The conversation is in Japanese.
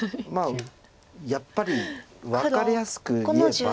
やっぱり分かりやすく言えば。